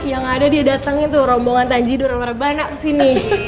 yang ada dia datangin tuh rombongan tanji dura dura bana kesini